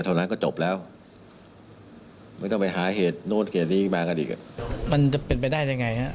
มันจะเป็นไปได้ยังไงฮะ